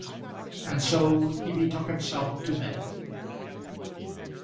And so he betook himself to bed.